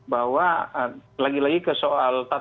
bahwa lagi lagi ke soal tata